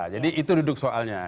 jadi itu duduk soalnya